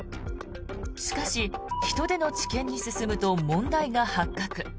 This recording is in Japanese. しかし、人での治験に進むと問題が発覚。